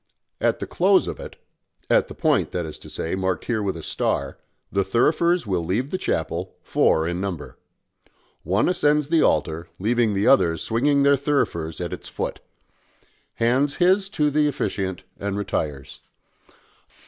At the close of it at the point, that is to say, marked here with a star, the thurifers will leave the chapel, four in number. One ascends the altar, leaving the others swinging their thurifers at its foot hands his to the officiant and retires.